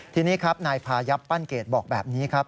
ทีนี้ครับนายพายับปั้นเกรดบอกแบบนี้ครับ